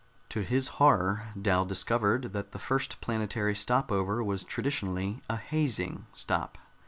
To his horror, Dal discovered that the first planetary stop over was traditionally a hazing stop.